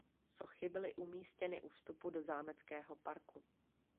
Sochy byly umístěny u vstupu do zámeckého parku.